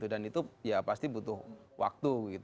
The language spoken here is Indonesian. dan itu ya pasti butuh waktu